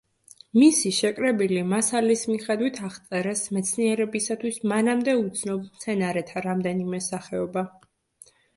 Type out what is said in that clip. მისი შეკრებილი მასალის მიხედვით აღწერეს მეცნიერებისათვის მანამდე უცნობ მცენარეთა რამდენიმე სახეობა.